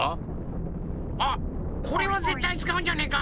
あっこれはぜったいつかうんじゃねえか？